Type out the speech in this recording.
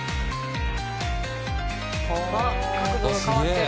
「あっ角度が変わってる」